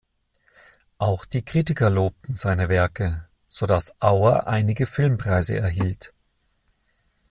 Auch die Kritiker lobten seine Werke, so dass Auer einige Filmpreise erhielt.